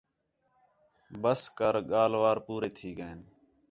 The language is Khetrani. ٻس کر ڳالھ وار پورے تھی ڳئین